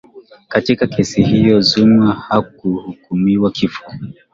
katika kesi hiyo zuma hakuhukumiwa kifungo